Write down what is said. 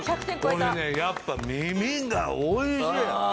これねやっぱ耳が美味しい！